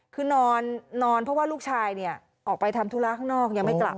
คือนอนเพราะว่าลูกชายเนี่ยออกไปทำธุระข้างนอกยังไม่กลับ